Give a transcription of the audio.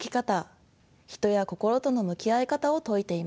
「人や心との向き合い方」を説いています。